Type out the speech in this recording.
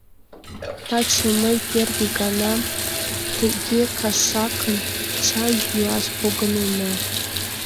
Таче ме первый гана тыге кашакын чай йӱаш погыненна.